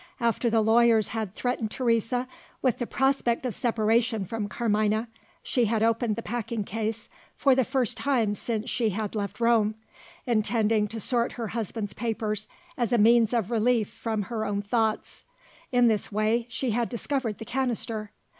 After the lawyers had threatened Teresa with the prospect of separation from Carmina, she had opened the packing case, for the first time since she had left Rome intending to sort her husband's papers as a means of relief from her own thoughts. In this way, she had discovered the canister.